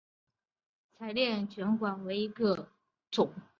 彩炼卷管螺为卷管螺科细切嘴螺属下的一个种。